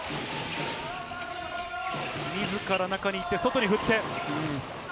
自ら中に行って、外に振って。